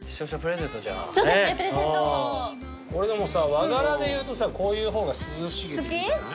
和柄でいうとさこういう方が涼しげでいいんじゃない？